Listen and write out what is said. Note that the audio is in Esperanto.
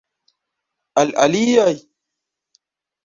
Al aliaj?